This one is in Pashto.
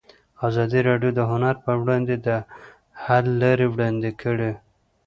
ازادي راډیو د هنر پر وړاندې د حل لارې وړاندې کړي.